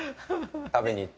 食べに行った。